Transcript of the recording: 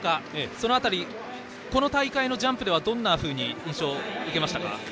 その辺り、この大会のジャンプでどういう印象を受けましたか？